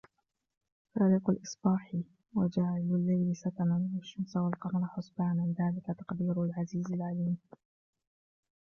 فالق الإصباح وجعل الليل سكنا والشمس والقمر حسبانا ذلك تقدير العزيز العليم